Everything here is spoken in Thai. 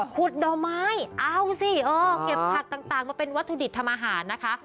ดอกไม้เอาสิเออเก็บผักต่างมาเป็นวัตถุดิบทำอาหารนะคะ